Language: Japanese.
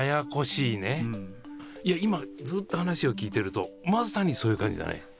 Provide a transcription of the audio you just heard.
いや、今ずっと話を聞いてると、まさにそういう感じだね。